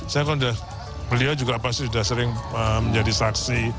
saya kalau beliau juga pasti sudah sering menjadi saksi